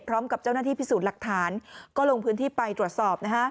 พร้อมกับเจ้าหน้าที่พิสูจน์หลักฐานก็ลงพื้นที่ไปตรวจสอบ